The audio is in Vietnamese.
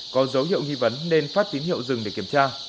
có dấu hiệu nghi vấn nên phát tín hiệu dừng để kiểm tra